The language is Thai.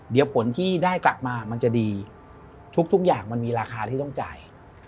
เดี๋ยวผลที่ได้กลับมามันจะดีทุกอย่างมันมีราคาที่ต้องจ่าย